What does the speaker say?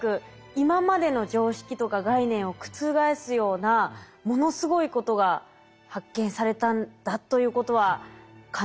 今までの常識とか概念を覆すようなものすごいことが発見されたんだということは感じました。